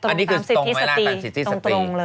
อันนี้คือตรงเวลาตัดสิทธิสตรีเลย